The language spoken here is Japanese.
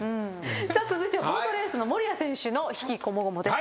さあ続いてはボートレースの守屋選手の悲喜こもごもです。